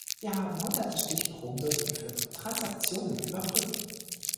Wir haben Hunderte Stichproben durchgeführt, Transaktionen überprüft.